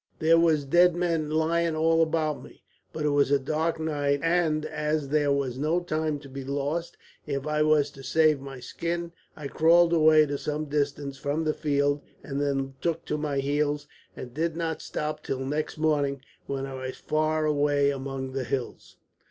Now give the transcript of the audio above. There were dead men lying all about me; but it was a dark night, and as there was no time to be lost if I was to save my skin, I crawled away to some distance from the field; and then took to my heels, and did not stop till next morning, when I was far away among the hills."